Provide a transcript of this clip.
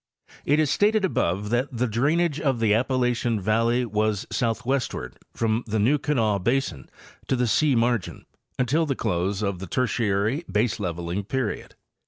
It is stated above that the drainage of the Appalachian valley was southwestward, from the New Kanawha basin to the sea margin, until the close of the Tertiary baseleveling period.